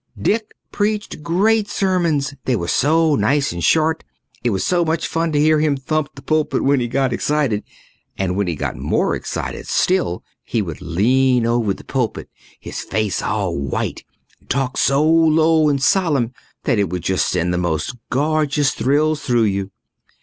Dick preached great sermons. They were so nice and short. It was such fun to hear him thump the pulpit when he got excited; and when he got more excited still he would lean over the pulpit, his face all white, and talk so low and solemn that it would just send the most gorgeous thrills through you.